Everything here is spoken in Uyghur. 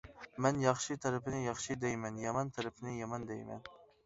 مەن ياخشى تەرىپىنى ياخشى دەيمەن، يامان تەرىپىنى يامان دەيمەن.